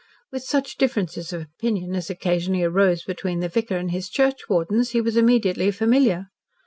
With such differences of opinion as occasionally arose between the vicar and his churchwardens he was immediately familiar.